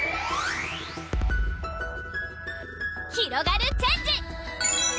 ひろがるチェンジ！